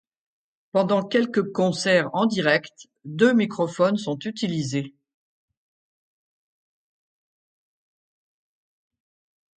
Pendant quelques concerts en direct, deux microphones sont utilisés.